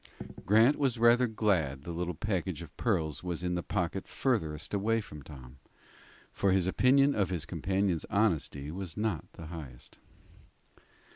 Grant was rather glad the little package of pearls was in the pocket furthest away from Tom, for his opinion of his companion's honesty was not the highest.